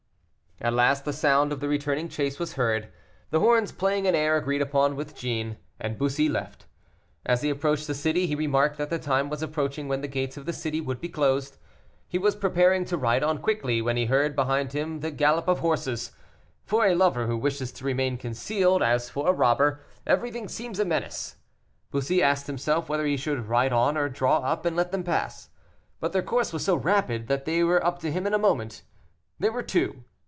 At last the sound of the returning chase was heard, the horns playing an air agreed upon with Jeanne, and Bussy left. As he approached the city, he remarked that the time was approaching when the gates of the city would be closed. He was preparing to ride on quickly, when he heard behind him the gallop of horses. For a lover who wishes to remain concealed, as for a robber, everything seems a menace. Bussy asked himself whether he should ride on or draw up and let them pass, but their course was so rapid that they were up to him in a moment. There were two.